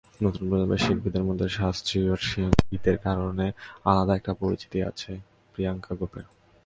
নতুন প্রজন্মের শিল্পীদের মধ্যে শাস্ত্রীয় সংগীতের কারণে আলাদা একটা পরিচিতি আছে প্রিয়াঙ্কা গোপের।